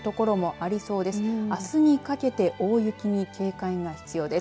あすにかけて大雪に警戒が必要です。